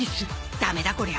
ダメだこりゃ